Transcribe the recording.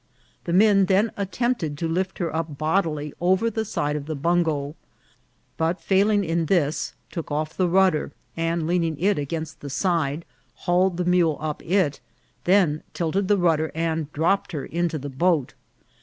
Tne men then attempted to lift her up bod ily over the side of the bungo ; but failing in this, took off the rudder, and leaning it against the side, hauled the mule up it, then tilted the rudder, and dropped her into the boat.